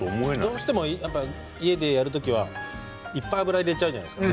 どうしても家でやる時はいっぱい油を入れちゃうじゃないですか。